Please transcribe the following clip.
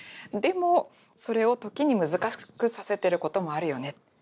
でもそれを時に難しくさせてることもあるよね。